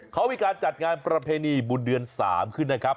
เขามีการจัดงานประเพณีบุญเดือน๓ขึ้นนะครับ